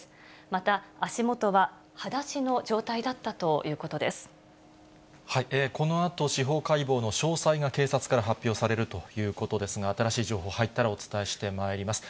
また足下ははだしの状態だったとこのあと司法解剖の詳細が警察から発表されるということですが、新しい情報、入ったらお伝えしてまいります。